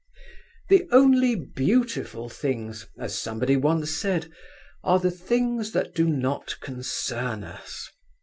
The only beautiful things, as somebody once said, are the things that do not concern us.